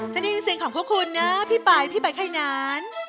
ฉะนี้เป็นเสียงของพวกคุณนะพี่ป่ายพี่ป่ายแค่นั้น